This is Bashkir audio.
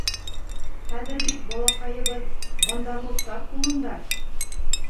— Хәҙер бит балаҡайыбыҙ Бандар-логтар ҡулында.